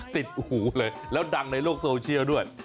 หูเลยแล้วดังในโลกโซเชียลด้วย